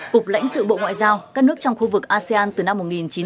cục lãnh sự bộ ngoại giao các nước trong khu vực asean từ năm một nghìn chín trăm chín mươi